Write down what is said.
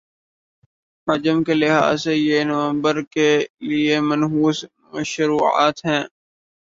حجم کے لحاظ سے یہ نومبر کے لیے منحوس شروعات تھِی